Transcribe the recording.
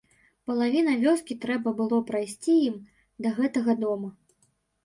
Палавіна вёскі трэба было прайсці ім да гэтага дома.